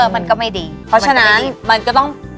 เพราะฉะนั้นมันก็ต้อง